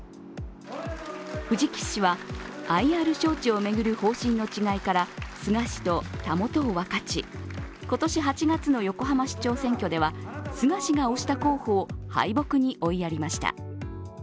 藤木氏はＩＲ招致を巡る方針の違いから、菅氏とたもとを分かち、今年８月の横浜市長選挙では菅氏が推した候補を敗北に追いやりました。